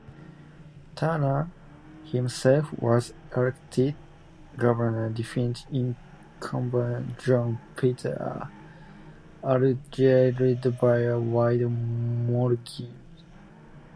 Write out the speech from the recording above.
Tanner himself was elected governor, defeating incumbent John Peter Altgeld by a wide margin.